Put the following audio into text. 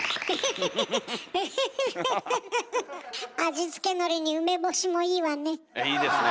味付けのりに梅干しもいいわね。